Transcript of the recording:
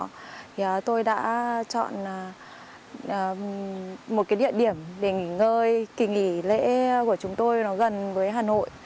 thì tôi đã chọn một cái địa điểm để nghỉ ngơi kỳ nghỉ lễ của chúng tôi nó gần với hà nội